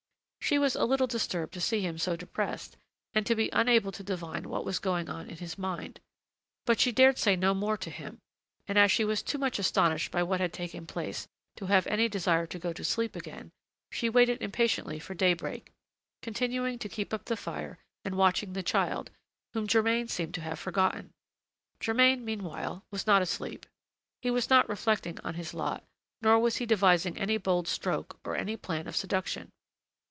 She was a little disturbed to see him so depressed, and to be unable to divine what was going on in his mind; but she dared say no more to him, and as she was too much astonished by what had taken place to have any desire to go to sleep again, she waited impatiently for daybreak, continuing to keep up the fire and watching the child, whom Germain seemed to have forgotten. Germain, meanwhile, was not asleep; he was not reflecting on his lot, nor was he devising any bold stroke, or any plan of seduction.